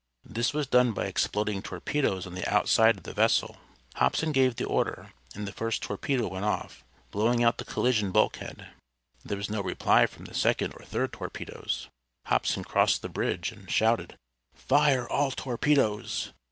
This was done by exploding torpedoes on the outside of the vessel. Hobson gave the order, and the first torpedo went off, blowing out the collision bulkhead. There was no reply from the second or third torpedoes. Hobson crossed the bridge, and shouted, "Fire all torpedoes!"